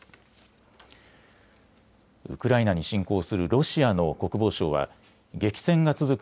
ウクライナに侵攻するロシアの国防省は激戦が続く